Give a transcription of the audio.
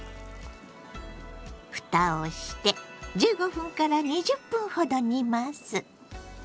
ふたをして１５分から２０分ほど煮ます。